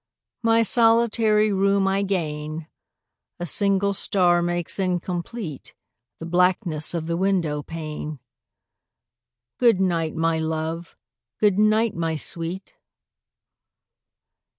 My solitary room I gain. A single star makes incomplete The blackness of the window pane. Good night, my love! good night, my sweet!